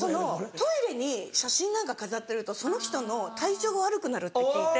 トイレに写真なんか飾ってるとその人の体調が悪くなるって聞いて。